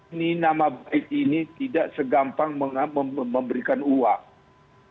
ini nama baik ini tidak segampang memberikan uang